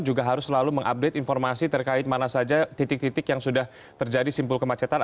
juga harus selalu mengupdate informasi terkait mana saja titik titik yang sudah terjadi simpul kemacetan